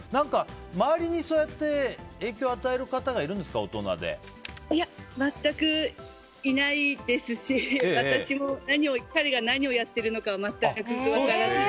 周りにそうやって影響を与える方がいるんですかいや、全くいないですし私も彼が何をやっているのかは全く分からない。